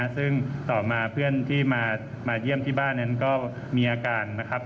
ซึ่งต่อมาเพื่อนที่มาเยี่ยมที่บ้านนั้นก็มีอาการนะครับ